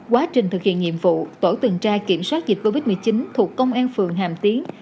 quá trình thực hiện nhiệm vụ tổ tuần tra kiểm soát dịch covid một mươi chín thuộc công an phường hàm tiến